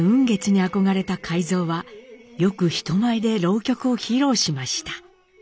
月に憧れた海蔵はよく人前で浪曲を披露しました。